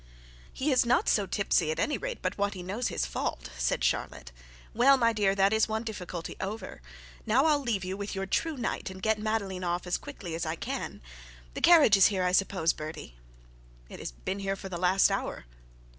'He is not so tipsy, at any rate, but what he knows his fault,' said Charlotte. 'Well, my dear, that is one difficulty over. Now I'll leave you with your true knight, and get Madeline off as quickly as I can. The carriage is here, I suppose, Bertie?' 'It has been here for the last hour.'